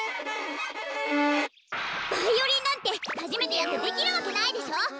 バイオリンなんてはじめてやってできるわけないでしょ！